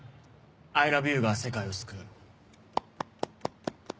『アイラブユーが世界を救う』。